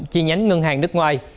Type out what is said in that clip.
chi nhánh ngân hàng nước ngoài